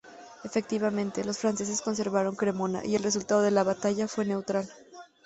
Efectivamente, los franceses conservaron Cremona y el resultado de la batalla fue neutral.